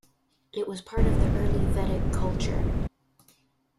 It was part of the Early Vedic culture.